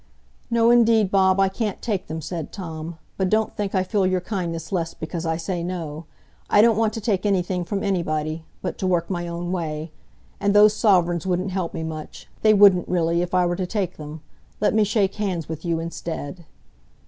"No, indeed Bob, I can't take them," said Tom; "but don't think I feel your kindness less because I say no. I don't want to take anything from anybody, but to work my own way. And those sovereigns wouldn't help me much—they wouldn't really—if I were to take them. Let me shake hands with you instead."